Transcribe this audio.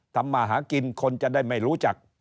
ทำมาหากินคนจะได้ไม่รู้จัก